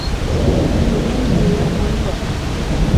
Sinzi igihe yinjiye mu nyubako.